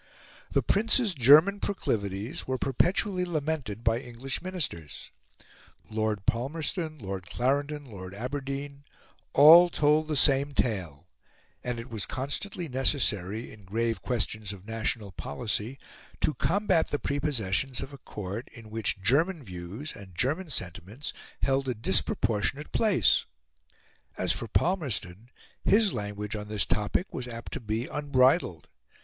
The Prince's German proclivities were perpetually lamented by English Ministers; Lord Palmerston, Lord Clarendon, Lord Aberdeen, all told the same tale; and it was constantly necessary, in grave questions of national policy, to combat the prepossessions of a Court in which German views and German sentiments held a disproportionate place. As for Palmerston, his language on this topic was apt to be unbridled.